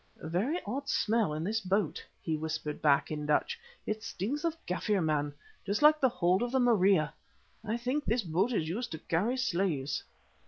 "Very odd smell in this boat," he whispered back in Dutch. "It stinks of Kaffir man, just like the hold of the Maria. I think this boat is used to carry slaves."